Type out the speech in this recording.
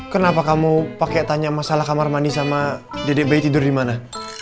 kenapa kamu pake tanya masalah kamar mandi sama dede bayi tidur dimana